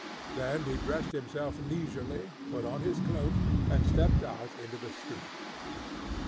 Then he dressed himself leisurely, put on his cloak, and stepped out into the street.